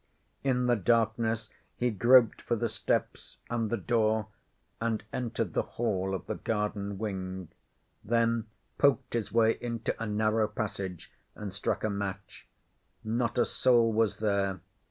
In the darkness he groped for the steps and the door and entered the hall of the garden wing, then poked his way into a narrow passage and struck a match. Not a soul was there.